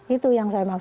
itu yang saya maksudkan